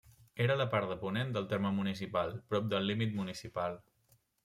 Era a la part de ponent del terme municipal, prop del límit municipal.